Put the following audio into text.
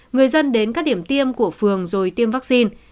người dân đến các điểm tiêm của phường rồi tiêm vaccine